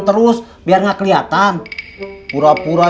terus biar nggak kelihatan pura pura